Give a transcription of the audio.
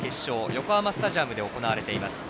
横浜スタジアムで行われています。